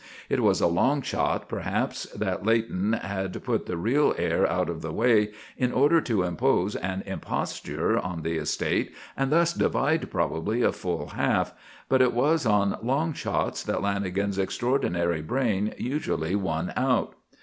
It was a "long shot," perhaps, that Leighton had put the real heir out of the way in order to impose an imposture on the estate and thus divide probably a full half; but it was on "long shots" that Lanagan's extraordinary brain usually won out.